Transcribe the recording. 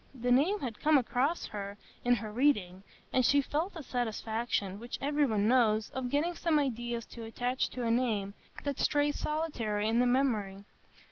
_—the name had come across her in her reading, and she felt the satisfaction, which every one knows, of getting some ideas to attach to a name that strays solitary in the memory.